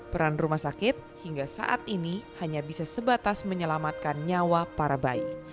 peran rumah sakit hingga saat ini hanya bisa sebatas menyelamatkan nyawa para bayi